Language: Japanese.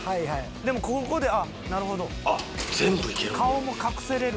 「でもここで“あっなるほど”」「顔も隠せる」